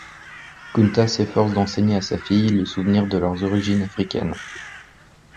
Kunta s’efforce d’enseigner à sa fille le souvenir de leurs origines africaines.